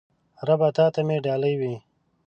ربه تاته مې ډالۍ وی